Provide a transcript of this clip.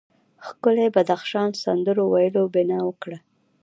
ښکلي بدخشان سندرو ویلو بنا وکړه.